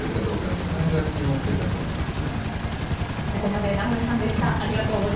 その辺が注目点だと思いますね。